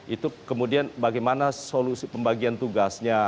itu kemudian bagaimana solusi pembagian tugasnya